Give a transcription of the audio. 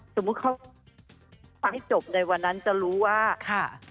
สมมุติเขาจะกินไปจบในวันนั้นจะรู้ว่า